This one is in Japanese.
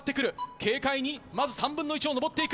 軽快にまず３分の１を登っていく。